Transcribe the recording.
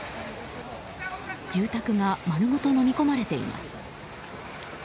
住宅が丸ごとのみ込まれています。